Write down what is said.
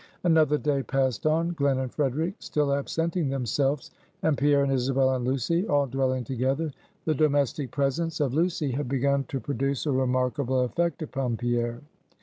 Another day passed on; Glen and Frederic still absenting themselves, and Pierre and Isabel and Lucy all dwelling together. The domestic presence of Lucy had begun to produce a remarkable effect upon Pierre.